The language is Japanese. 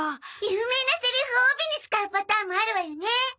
有名なセリフを帯に使うパターンもあるわよね。